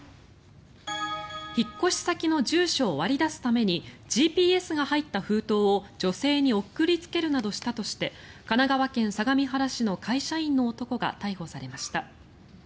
引っ越し先の住所を割り出すためにＧＰＳが入った封筒を女性に送りつけるなどしたとして神奈川県相模原市の会社員の男が逮捕されました。